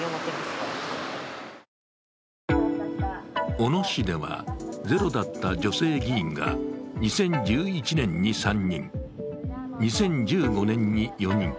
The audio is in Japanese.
小野市ではゼロだった女性議員が２０１１年に３人２０１５年に４人